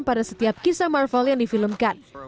pada setiap kisah marvel yang difilmkan